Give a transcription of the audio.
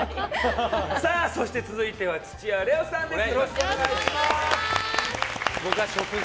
続いては土屋礼央さんです。